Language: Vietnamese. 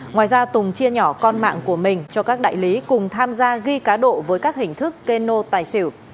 ngoài ra tùng chia nhỏ con mạng của mình cho các đại lý cùng tham gia ghi cá độ với các hình thức kê nô tài xử